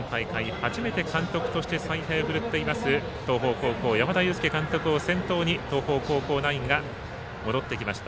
初めて監督として采配を振るっています東邦高校、山田祐輔監督を先頭に東邦高校ナインが戻ってきました。